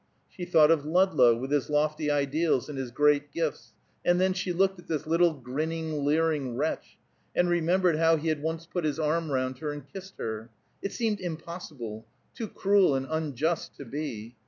She thought of Ludlow, with his lofty ideals and his great gifts, and then she looked at this little grinning, leering wretch, and remembered how he had once put his arm round her and kissed her. It seemed impossible too cruel and unjust to be.